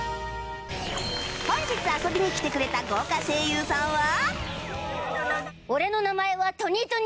本日遊びに来てくれた豪華声優さんは？